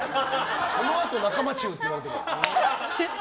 そのあと仲間中って言われても。